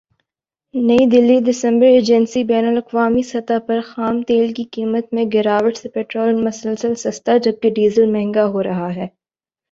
نئی دہلی دسمبرایجنسی بین الاقوامی سطح پر خام تیل کی قیمت میں گراوٹ سے پٹرول مسلسل سستا جبکہ ڈیزل مہنگا ہو رہا ہے